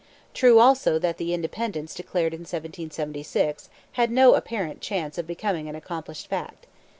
True also that the Independence declared in 1776 had no apparent chance of becoming an accomplished fact.